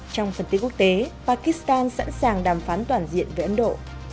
trong phần tiết quốc tế pakistan sẵn sàng đàm phán toàn diện với ấn độ